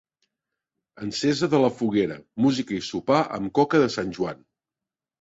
Encesa de la foguera, música i sopar amb coca de Sant Joan.